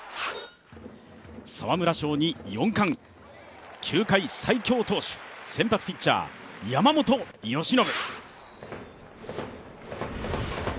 沢村賞に４冠、球界最強投手、先発ピッチャー・山本由伸。